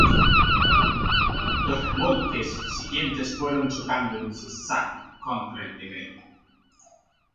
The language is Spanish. Los remolques siguientes fueron chocando en zig zag contra el primero.